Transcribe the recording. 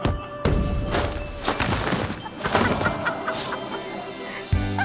「ハハハハ！」